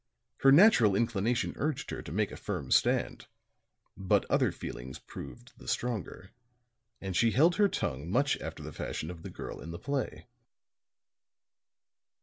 Her natural inclination urged her to make a firm stand; but other feelings proved the stronger, and she held her tongue much after the fashion of the girl in the play."